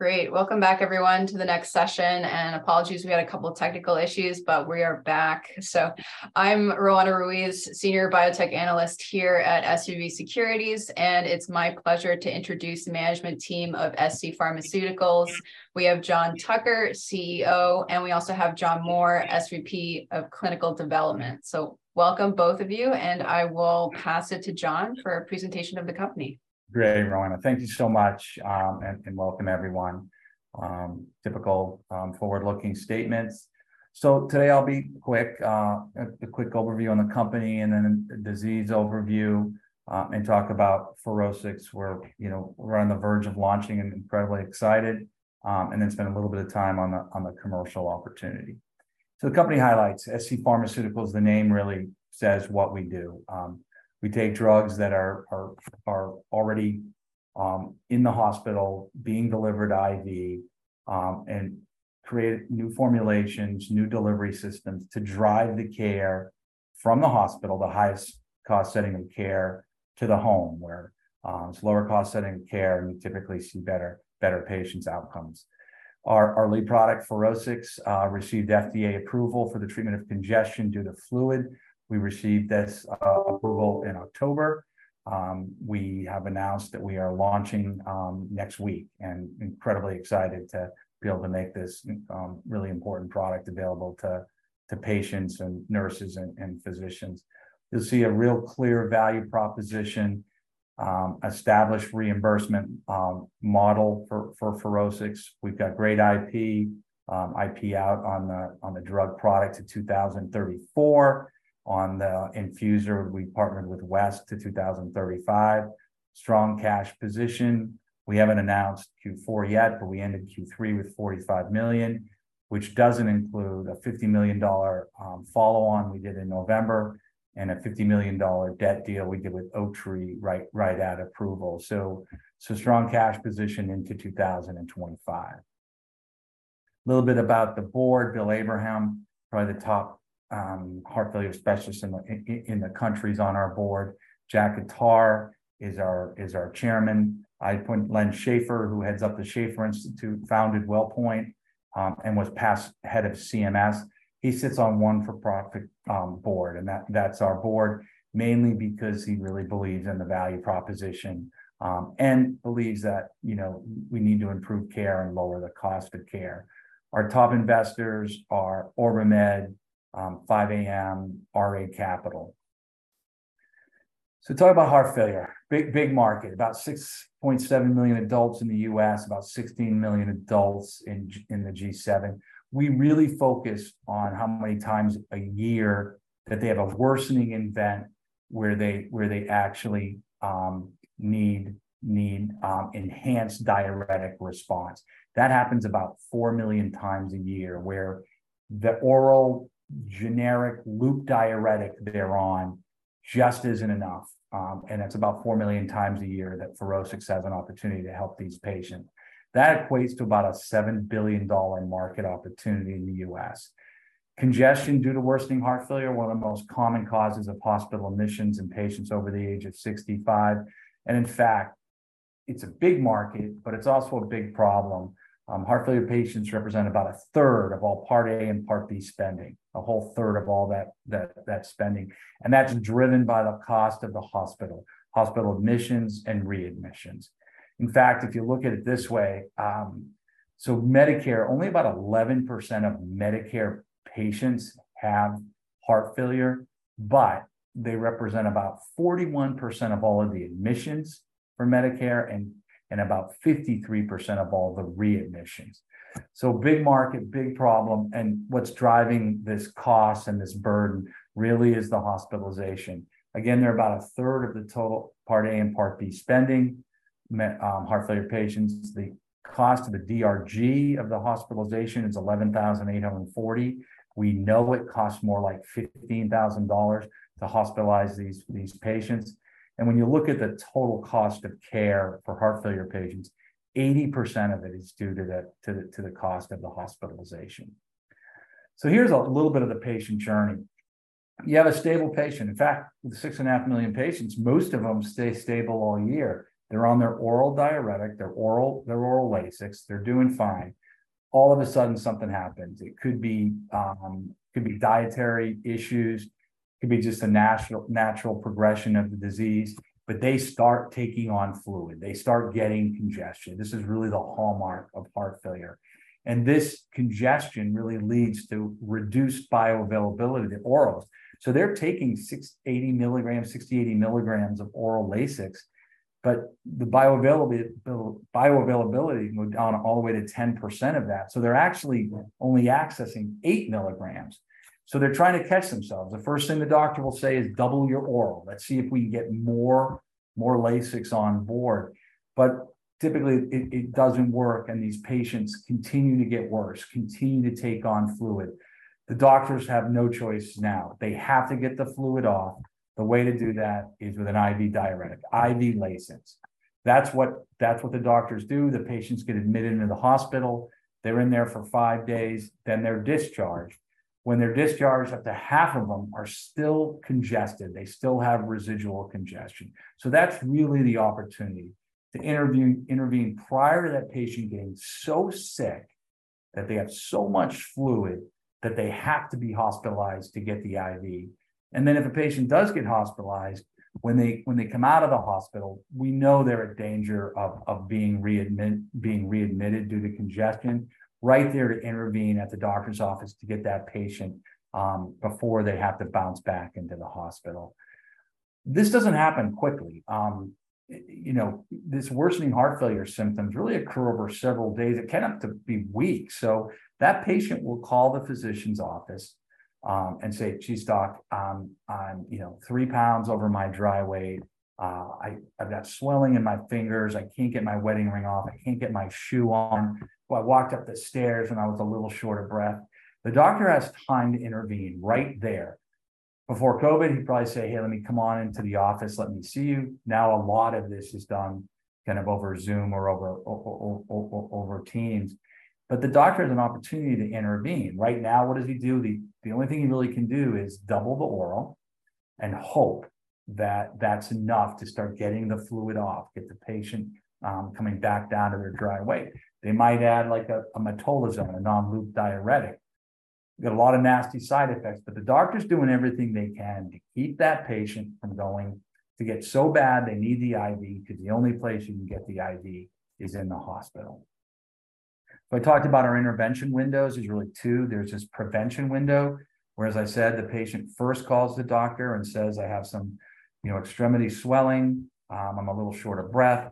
Great. Welcome back everyone to the next session, apologies we had a couple of technical issues, but we are back. I'm Roanna Ruiz, senior biotech analyst here at SVB Securities, it's my pleasure to introduce the management team of scPharmaceuticals. We have John Tucker, CEO, we also have John Mohr, SVP of Clinical Development. Welcome both of you, I will pass it to John for a presentation of the company. Great, Roanna. Thank you so much, and welcome everyone. Typical forward-looking statements. Today I'll be quick. A quick overview on the company and then a disease overview, and talk about FUROSCIX where, you know, we're on the verge of launching and incredibly excited, and then spend a little bit of time on the commercial opportunity. The company highlights. scPharmaceuticals, the name really says what we do. We take drugs that are already in the hospital being delivered IV, and create new formulations, new delivery systems to drive the care from the hospital, the highest cost setting of care, to the home where it's lower cost setting of care and you typically see better patients' outcomes. Our lead product, FUROSCIX, received FDA approval for the treatment of congestion due to fluid. We received this approval in October. We have announced that we are launching next week and incredibly excited to be able to make this really important product available to patients, nurses, and physicians. You'll see a real clear value proposition, established reimbursement model for FUROSCIX. We've got great IP out on the drug product to 2034. On the infuser, we partnered with West to 2035. Strong cash position. We haven't announced Q4 yet, but we ended Q3 with $45 million, which doesn't include a $50 million follow on we did in November and a $50 million debt deal we did with Oaktree right at approval. Strong cash position into 2025. A little bit about the board. Bill Abraham, probably the top heart failure specialist in the country is on our board. Jack Khattar is our chairman. I put Len Schaeffer, who heads up the Schaeffer Institute, founded WellPoint, and was past head of CMS. He sits on one for-profit board, and that's our board, mainly because he really believes in the value proposition, and believes that, you know, we need to improve care and lower the cost of care. Our top investors are OrbiMed, 5AM, RA Capital. Talk about heart failure, big market. About 6.7 million adults in the U.S., about 16 million adults in the G7. We really focus on how many times a year that they have a worsening event where they actually need enhanced diuretic response. That happens about 4 million times a year, where the oral generic loop diuretic they're on just isn't enough. That's about 4 million times a year that FUROSCIX has an opportunity to help these patients. That equates to about a $7 billion market opportunity in the U.S. Congestion due to worsening heart failure, one of the most common causes of hospital admissions in patients over the age of 65. In fact, it's a big market, but it's also a big problem. Heart failure patients represent about 1/3 of all Part A and Part B spending, a whole third of all that spending, that's driven by the cost of the hospital admissions and readmissions. If you look at it this way, so Medicare, only about 11% of Medicare patients have heart failure. They represent about 41% of all of the admissions for Medicare and about 53% of all the readmissions. Big market, big problem, and what's driving this cost and this burden really is the hospitalization. Again, they're about 1/3 of the total Part A and Part B spending, heart failure patients. The cost of the DRG of the hospitalization is $11,840. We know it costs more like $15,000 to hospitalize these patients. When you look at the total cost of care for heart failure patients, 80% of it is due to the cost of the hospitalization. Here's a little bit of the patient journey. You have a stable patient. In fact, with 6.5 million patients, most of them stay stable all year. They're on their oral diuretic, their oral Lasix. They're doing fine. All of a sudden, something happens. It could be dietary issues, could be just a natural progression of the disease, but they start taking on fluid. They start getting congestion. This is really the hallmark of heart failure. This congestion really leads to reduced bioavailability, the orals. They're taking 6, 80 mg, 60, 80 mg of oral Lasix, but the bioavailability went down all the way to 10% of that. They're actually only accessing 8 mg. They're trying to catch themselves. The first thing the doctor will say is, "Double your oral. Let's see if we can get more Lasix on board." Typically, it doesn't work, and these patients continue to get worse, continue to take on fluid. The doctors have no choice now. They have to get the fluid off. The way to do that is with an IV diuretic, IV Lasix. That's what the doctors do. The patients get admitted into the hospital. They're in there for five days, then they're discharged. When they're discharged, up to half of them are still congested. They still have residual congestion. That's really the opportunity, to intervene prior to that patient getting so sick. That they have so much fluid that they have to be hospitalized to get the IV. If a patient does get hospitalized, when they come out of the hospital, we know they're at danger of being readmitted due to congestion, right there to intervene at the doctor's office to get that patient before they have to bounce back into the hospital. This doesn't happen quickly. You know, this worsening heart failure symptoms really occur over several days. It can have to be weeks. That patient will call the physician's office and say, "Geez, doc, I'm, you know, 3 lbs over my dry weight. I've got swelling in my fingers. I can't get my wedding ring off. I can't get my shoe on. I walked up the stairs, and I was a little short of breath." The doctor has time to intervene right there. Before COVID, he'd probably say, "Hey, let me come on into the office. Let me see you." Now, a lot of this is done kind of over Zoom or over Teams. The doctor has an opportunity to intervene. Right now, what does he do? The only thing he really can do is double the oral and hope that that's enough to start getting the fluid off, get the patient coming back down to their dry weight. They might add like a metolazone, a non-loop diuretic. Got a lot of nasty side effects, but the doctor's doing everything they can to keep that patient from going to get so bad they need the IV, because the only place you can get the IV is in the hospital. If I talked about our intervention windows, there's really two. There's this prevention window, where, as I said, the patient first calls the doctor and says, "I have some, you know, extremity swelling. I'm a little short of breath."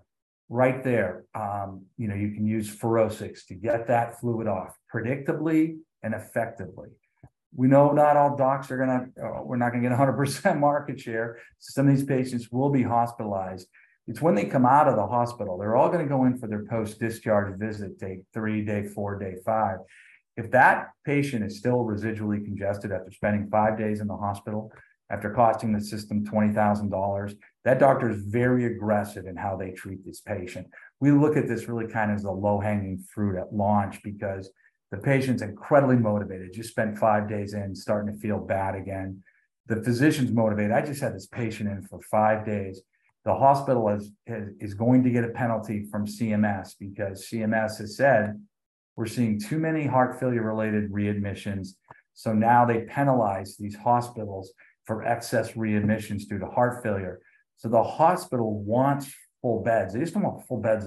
Right there, you know, you can use FUROSCIX to get that fluid off predictably and effectively. We know not all docs are gonna, we're not gonna get 100% market share. Some of these patients will be hospitalized. It's when they come out of the hospital, they're all gonna go in for their post-discharge visit, day three, day four, day five. If that patient is still residually congested after spending five days in the hospital, after costing the system $20,000, that doctor is very aggressive in how they treat this patient. We look at this really kind of as the low-hanging fruit at launch because the patient's incredibly motivated. Just spent five days in, starting to feel bad again. The physician's motivated. I just had this patient in for five days. The hospital is going to get a penalty from CMS because CMS has said, "We're seeing too many heart failure-related readmissions." Now they penalize these hospitals for excess readmissions due to heart failure. The hospital wants full beds. They just don't want full beds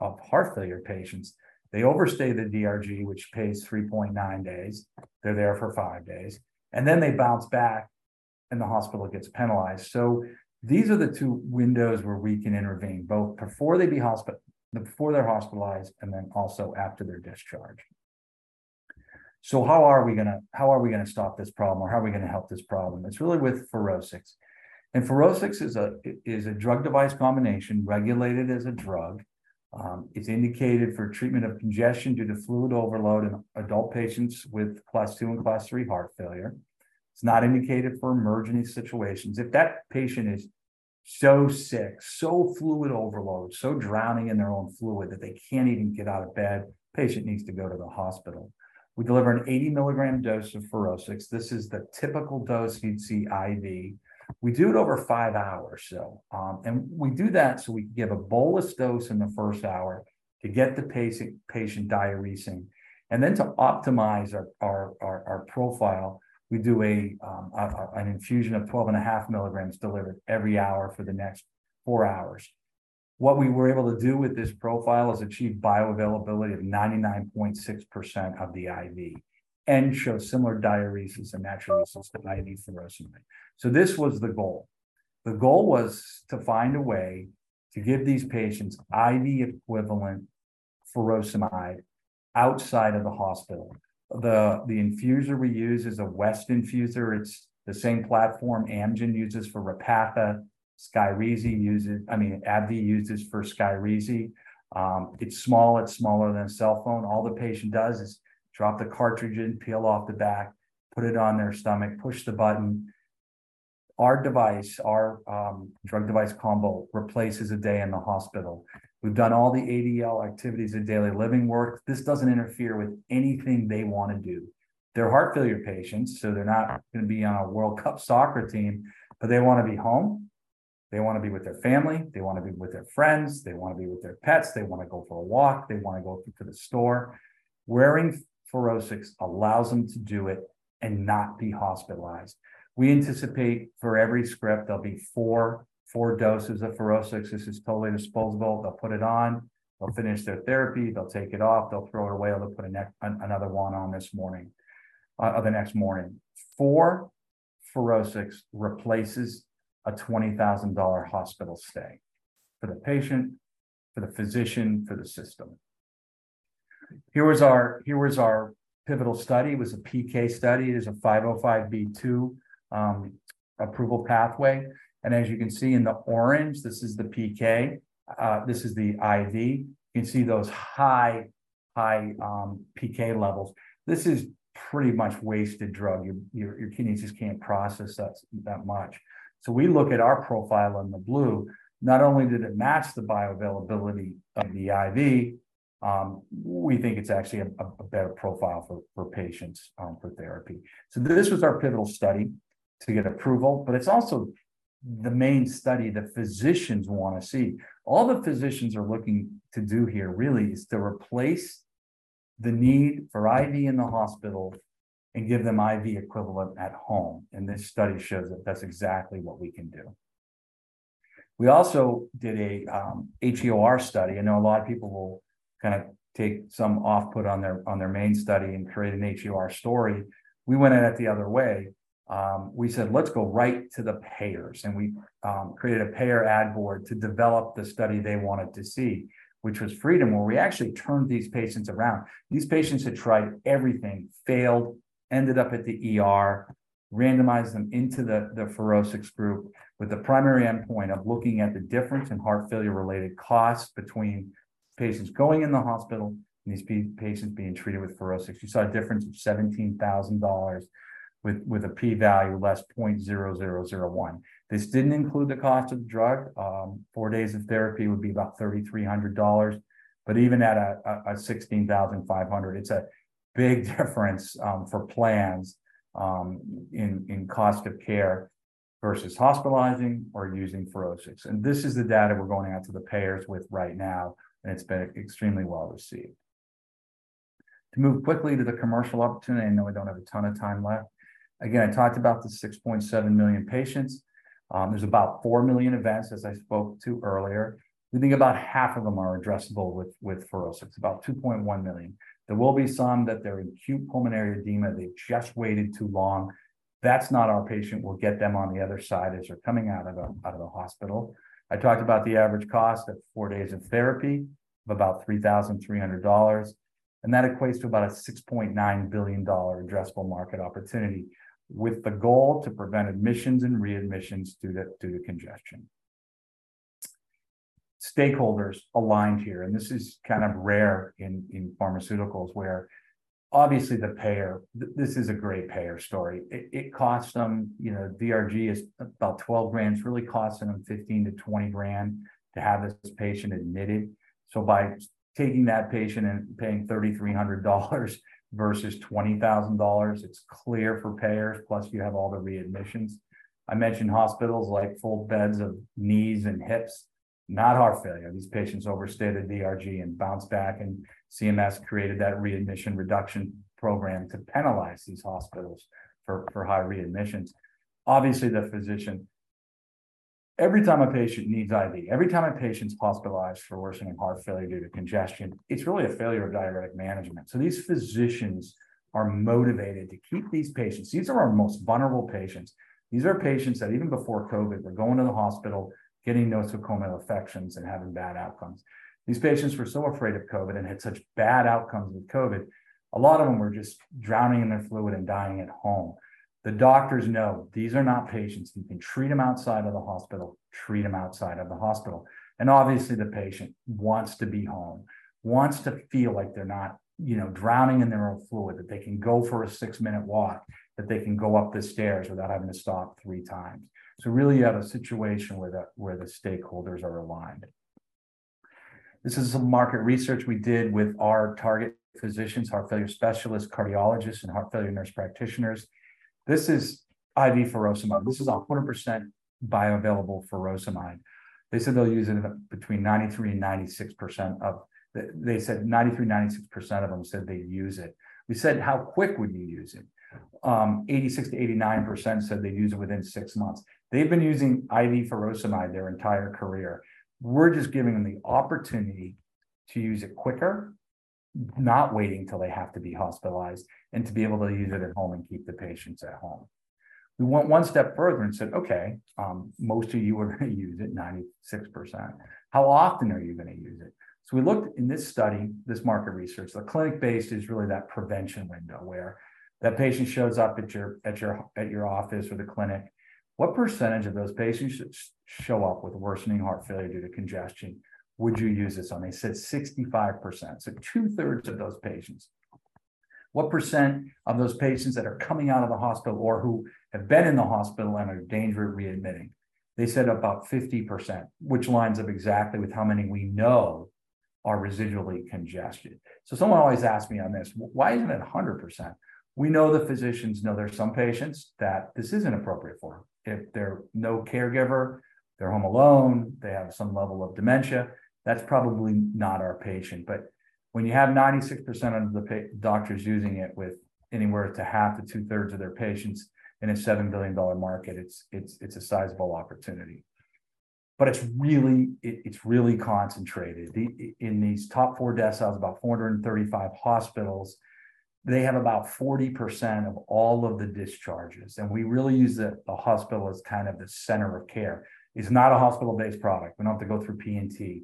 of heart failure patients. They overstay the DRG, which pays 3.9 days. They're there for five days, and then they bounce back, and the hospital gets penalized. These are the two windows where we can intervene, both before they're hospitalized and then also after they're discharged. How are we gonna stop this problem, or how are we gonna help this problem? It's really with FUROSCIX. FUROSCIX is a drug device combination regulated as a drug. It's indicated for treatment of congestion due to fluid overload in adult patients with class 2 and class 3 heart failure. It's not indicated for emergency situations. If that patient is so sick, so fluid overload, so drowning in their own fluid that they can't even get out of bed, patient needs to go to the hospital. We deliver an 80-mg dose of FUROSCIX. This is the typical dose you'd see IV. We do it over five hours. We do that so we can give a bolus dose in the 1st hour to get the patient diuresing. To optimize our profile, we do an infusion of 12.5 mg delivered every hour for the next four hours. What we were able to do with this profile is achieve bioavailability of 99.6% of the IV and show similar diuresis and natriuresis to IV furosemide. This was the goal. The goal was to find a way to give these patients IV equivalent furosemide outside of the hospital. The infuser we use is a West infuser. It's the same platform Amgen uses for Repatha. I mean, AbbVie uses for SKYRIZI. It's small. It's smaller than a cell phone. All the patient does is drop the cartridge in, peel off the back, put it on their stomach, push the button. Our device, our drug device combo replaces a day in the hospital. We've done all the ADL, activities and daily living work. This doesn't interfere with anything they wanna do. They're heart failure patients, so they're not gonna be on a World Cup soccer team, but they wanna be home. They wanna be with their family. They wanna be with their friends. They wanna be with their pets. They wanna go for a walk. They wanna go to the store. Wearing FUROSCIX allows them to do it and not be hospitalized. We anticipate for every script, there'll be four doses of FUROSCIX. This is totally disposable. They'll put it on. They'll finish their therapy. They'll take it off. They'll throw it away. They'll put another one on this morning, or the next morning. Four FUROSCIX replaces a $20,000 hospital stay for the patient, for the physician, for the system. Here was our pivotal study. It was a PK study. It was a 505(b)(2) approval pathway. As you can see in the orange, this is the PK. This is the IV. You can see those high PK levels. This is pretty much wasted drug. Your kidneys just can't process that much. We look at our profile in the blue. Not only did it match the bioavailability of the IV, we think it's actually a better profile for patients for therapy. This was our pivotal study to get approval, but it's also the main study the physicians wanna see. All the physicians are looking to do here really is to replace the need for IV in the hospital and give them IV equivalent at home, and this study shows that that's exactly what we can do. We also did a HEOR study. I know a lot of people will kinda take some off-put on their, on their main study and create an HEOR story. We went at it the other way. We said, "Let's go right to the payers," and we created a payer ad board to develop the study they wanted to see, which was FREEDOM-HF, where we actually turned these patients around. These patients had tried everything, failed, ended up at the ER, randomized them into the FUROSCIX group, with the primary endpoint of looking at the difference in heart failure-related costs between patients going in the hospital and these patients being treated with FUROSCIX. You saw a difference of $17,000 with a P value of less 0.0001. This didn't include the cost of the drug. four days of therapy would be about $3,300. Even at $16,500, it's a big difference for plans in cost of care versus hospitalizing or using FUROSCIX. This is the data we're going out to the payers with right now, and it's been extremely well-received. To move quickly to the commercial opportunity, I know I don't have a ton of time left. Again, I talked about the 6.7 million patients. There's about four million events, as I spoke to earlier. We think about half of them are addressable with FUROSCIX, about 2.1 million. There will be some that they're acute pulmonary edema, they've just waited too long. That's not our patient. We'll get them on the other side as they're coming out of the hospital. I talked about the average cost at four days of therapy of about $3,300. That equates to about a $6.9 billion addressable market opportunity, with the goal to prevent admissions and readmissions due to congestion. Stakeholders aligned here, this is kind of rare in pharmaceuticals, where obviously the payer, this is a great payer story. It, it costs them, you know, DRG is about $12,000. It's really costing them $15,000-$20,000 to have this patient admitted. By taking that patient and paying $3,300 versus $20,000, it's clear for payers, plus you have all the readmissions. I mentioned hospitals like full beds of knees and hips, not heart failure. These patients overstayed a DRG and bounced back. CMS created that Readmission Reduction Program to penalize these hospitals for high readmissions. Obviously, the physician... Every time a patient needs IV, every time a patient's hospitalized for worsening heart failure due to congestion, it's really a failure of diuretic management. These physicians are motivated to keep these patients. These are our most vulnerable patients. These are patients that even before COVID were going to the hospital, getting nosocomial infections and having bad outcomes. These patients were so afraid of COVID and had such bad outcomes with COVID, a lot of them were just drowning in their fluid and dying at home. The doctors know these are not patients. You can treat them outside of the hospital, treat them outside of the hospital. Obviously the patient wants to be home, wants to feel like they're not, you know, drowning in their own fluid, that they can go for a six-minute walk, that they can go up the stairs without having to stop three times. Really, you have a situation where the stakeholders are aligned. This is some market research we did with our target physicians, heart failure specialists, cardiologists, and heart failure nurse practitioners. This is IV furosemide. This is 100% bioavailable furosemide. They said they're using between 93% and 96% of them said they'd use it. We said, "How quick would you use it?" 86%-89% said they'd use it within six months. They've been using IV furosemide their entire career. We're just giving them the opportunity to use it quicker, not waiting till they have to be hospitalized, and to be able to use it at home and keep the patients at home. We went one step further and said, "Okay, most of you are gonna use it, 96%. How often are you gonna use it?" We looked in this study, this market research. The clinic-based is really that prevention window, where that patient shows up at your office or the clinic. "What percentage of those patients show up with worsening heart failure due to congestion would you use this on?" They said 65%, so two-thirds of those patients. What percent of those patients that are coming out of the hospital or who have been in the hospital and are danger of readmitting? They said about 50%, which lines up exactly with how many we know are residually congested. Someone always asks me on this, "Why isn't it 100%?" We know the physicians know there are some patients that this isn't appropriate for. If they're no caregiver, they're home alone, they have some level of dementia, that's probably not our patient. When you have 96% of the doctors using it with anywhere to half to two-thirds of their patients in a $7 billion market, it's a sizable opportunity. It's really concentrated. In these top 4 deciles, about 435 hospitals, they have about 40% of all of the discharges, and we really use the hospital as kind of the center of care. It's not a hospital-based product. We don't have to go through P&T.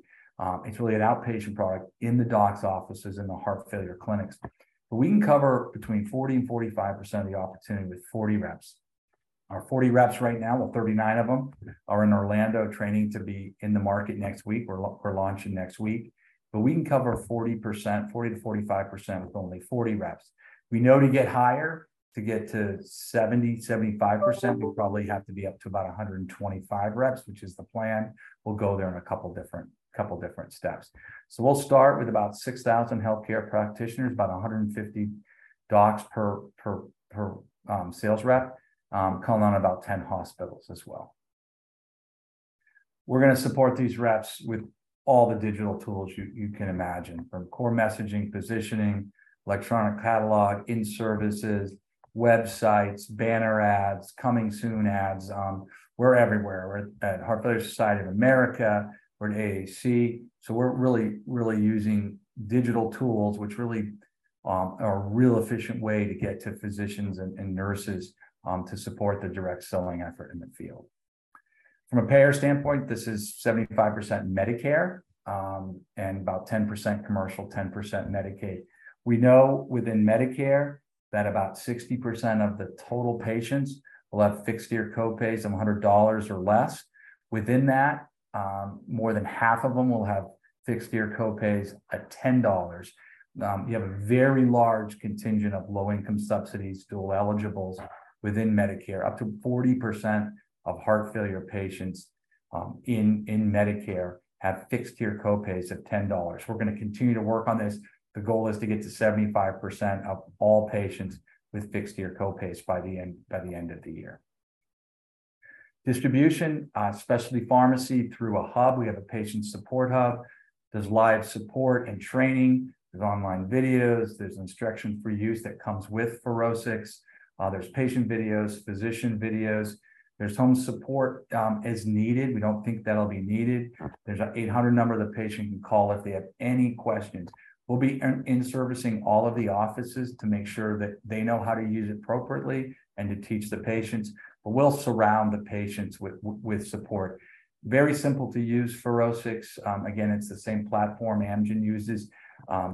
It's really an outpatient product in the docs' offices, in the heart failure clinics. We can cover between 40% and 45% of the opportunity with 40 reps. Our 40 reps right now, well, 39 of them are in Orlando training to be in the market next week. We're launching next week. We can cover 40%, 40%-45% with only 40 reps. We know to get higher, to get to 70%, 75%, we'll probably have to be up to about 125 reps, which is the plan. We'll go there in a couple different, couple different steps. We'll start with about 6,000 healthcare practitioners, about 150 docs per sales rep, calling on about 10 hospitals as well. We're gonna support these reps with all the digital tools you can imagine, from core messaging, positioning, electronic catalog, in-services, websites, banner ads, coming soon ads, we're everywhere. We're at Heart Failure Society of America, we're in ACC. We're really using digital tools, which really are a real efficient way to get to physicians and nurses to support the direct selling effort in the field. From a payer standpoint, this is 75% Medicare, and about 10% commercial, 10% Medicaid. We know within Medicare that about 60% of the total patients will have fixed-tier co-pays of $100 or less. Within that, more than half of them will have fixed-tier co-pays at $10. You have a very large contingent of low-income subsidies, dual eligibles within Medicare. Up to 40% of heart failure patients, in Medicare have fixed-tier co-pays of $10. We're gonna continue to work on this. The goal is to get to 75% of all patients with fixed-tier co-pays by the end of the year. Distribution, specialty pharmacy through a hub. We have a patient support hub. There's live support and training. There's online videos. There's instruction for use that comes with FUROSCIX. There's patient videos, physician videos. There's home support, as needed. We don't think that'll be needed. There's an 800 number the patient can call if they have any questions. We'll be in-servicing all of the offices to make sure that they know how to use it appropriately and to teach the patients, but we'll surround the patients with support. Very simple to use FUROSCIX. Again, it's the same platform Amgen uses.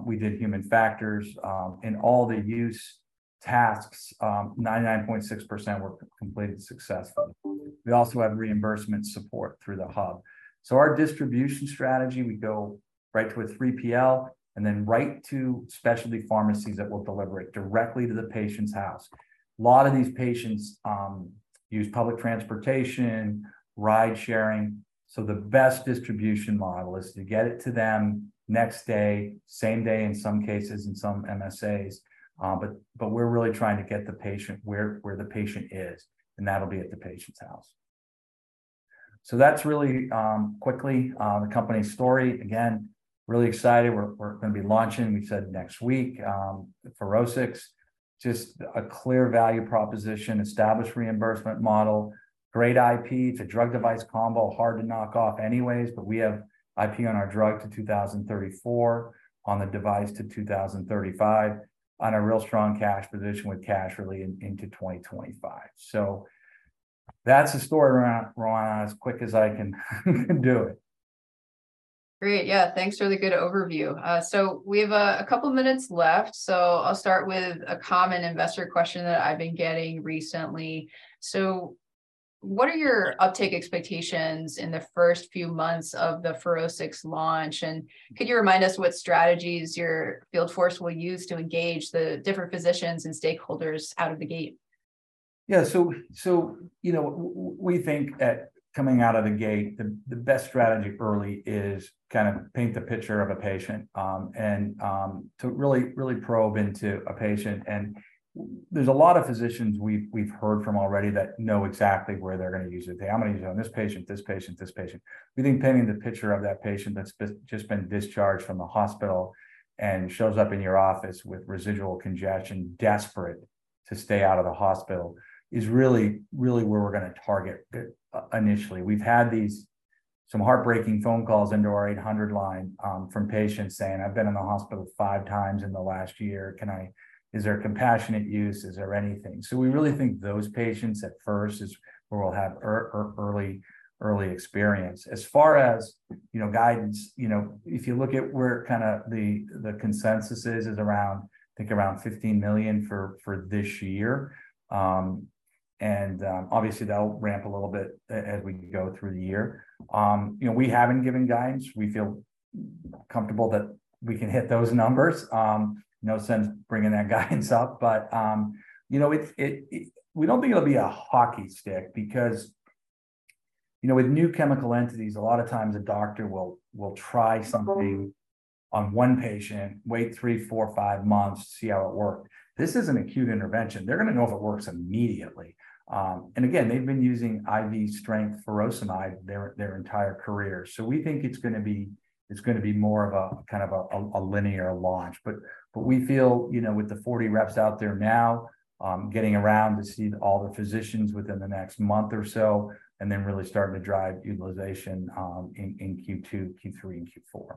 We did human factors. In all the use tasks, 99.6% were completed successfully. We also have reimbursement support through the hub. Our distribution strategy, we go right to a 3PL, and then right to specialty pharmacies that will deliver it directly to the patient's house. A lot of these patients use public transportation, ride-sharing. The best distribution model is to get it to them next day, same day in some cases in some MSAs, but we're really trying to get the patient where the patient is, and that'll be at the patient's house. That's really quickly the company's story. Again, really excited. We're gonna be launching, we said next week, FUROSCIX. Just a clear value proposition, established reimbursement model, great IP. It's a drug device combo, hard to knock off anyways, but we have IP on our drug to 2034, on the device to 2035, on a real strong cash position with cash really into 2025. That's the story, Roanna, as quick as I can do it. Great. Yeah, thanks for the good overview. We have a couple minutes left, so I'll start with a common investor question that I've been getting recently. What are your uptake expectations in the first few months of the FUROSCIX launch? Could you remind us what strategies your field force will use to engage the different physicians and stakeholders out of the gate? Yeah, you know, we think that coming out of the gate, the best strategy early is kind of paint the picture of a patient and to really probe into a patient. There's a lot of physicians we've heard from already that know exactly where they're gonna use it. They say, "I'm gonna use it on this patient, this patient, this patient." We think painting the picture of that patient that's just been discharged from the hospital and shows up in your office with residual congestion, desperate to stay out of the hospital, is really where we're gonna target initially. We've had some heartbreaking phone calls into our 800 line from patients saying, "I've been in the hospital five times in the last year. Is there compassionate use? Is there anything? We really think those patients at first is where we'll have early experience. As far as, you know, guidance, you know, if you look at where kind of the consensus is around, I think around $15 million for this year. Obviously, that'll ramp a little bit as we go through the year. You know, we haven't given guidance. We feel comfortable that we can hit those numbers. No sense bringing that guidance up. You know, it... We don't think it'll be a hockey stick because, you know, with new chemical entities, a lot of times a doctor will try something on one patient, wait three, four, five months to see how it worked. This is an acute intervention. They're going to know if it works immediately. They've been using IV strength furosemide their entire career. We think it's gonna be more of a, kind of a linear launch. We feel, you know, with the 40 reps out there now, getting around to see all the physicians within the next month or so, really starting to drive utilization in Q2, Q3, and Q4.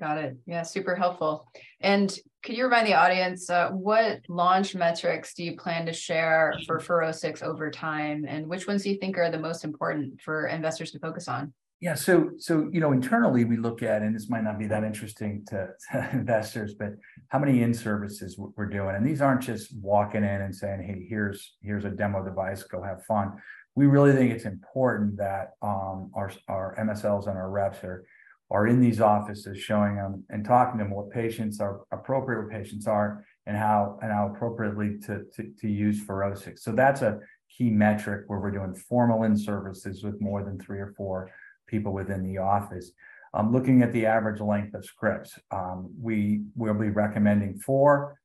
Got it. Yeah, super helpful. Could you remind the audience, what launch metrics do you plan to share for FUROSCIX over time, and which ones do you think are the most important for investors to focus on? You know, internally, we look at, and this might not be that interesting to investors, but how many in-services we're doing. These aren't just walking in and saying, "Hey, here's a demo device. Go have fun." We really think it's important that our MSLs and our reps are in these offices showing them and talking to them what patients are, appropriate patients are, and how appropriately to use FUROSCIX. That's a key metric where we're doing formal in-services with more than three or four people within the office. Looking at the average length of scripts, we will be recommending 4.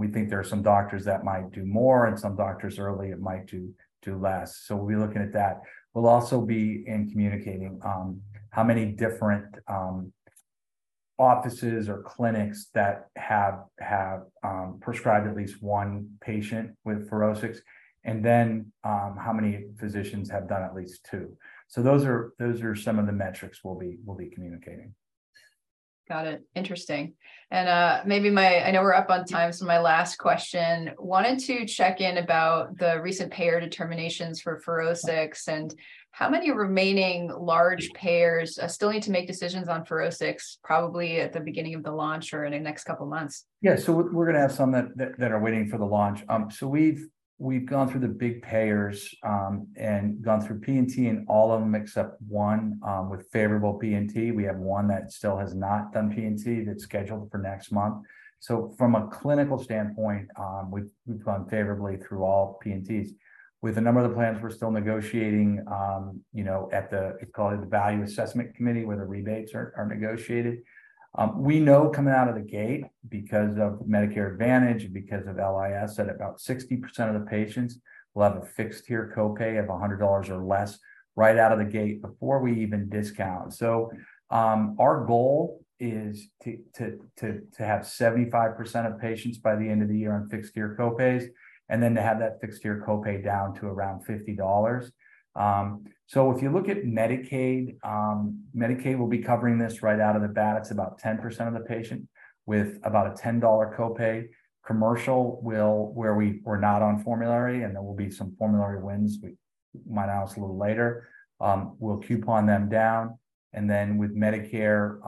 We think there are some doctors that might do more, and some doctors early that might do less. We'll be looking at that. We'll also be in communicating, how many different Offices or clinics that have prescribed at least one patient with FUROSCIX, and then, how many physicians have done at least two. Those are some of the metrics we'll be communicating. Got it. Interesting. I know we're up on time, so my last question, wanted to check in about the recent payer determinations for FUROSCIX and how many remaining large payers still need to make decisions on FUROSCIX probably at the beginning of the launch or in the next couple months? Yeah. We're gonna have some that are waiting for the launch. We've gone through the big payers and gone through P&T, and all of them except one with favorable P&T. We have one that still has not done P&T, that's scheduled for next month. From a clinical standpoint, we've gone favorably through all P&Ts. With a number of the plans we're still negotiating, you know, at the, call it the value assessment committee, where the rebates are negotiated. We know coming out of the gate, because of Medicare Advantage and because of LIS, that about 60% of the patients will have a fixed-tier copay of $100 or less right out of the gate before we even discount. Our goal is to have 75% of patients by the end of the year on fixed-tier copays, and then to have that fixed-tier copay down to around $50. If you look at Medicaid will be covering this right out of the bat. It's about 10% of the patient with about a $10 copay. Where we're not on formulary, and there will be some formulary wins we might announce a little later, we'll coupon them down. With Medicare,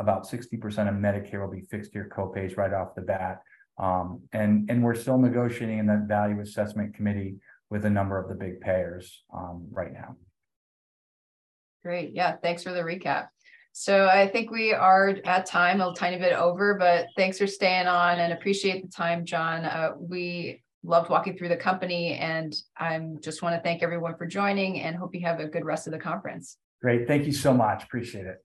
about 60% of Medicare will be fixed-tier copays right off the bat. We're still negotiating in that value assessment committee with a number of the big payers right now. Great. Yeah. Thanks for the recap. I think we are at time, a tiny bit over, but thanks for staying on, and appreciate the time, John. We loved walking through the company, and I just wanna thank everyone for joining, and hope you have a good rest of the conference. Great. Thank you so much. Appreciate it.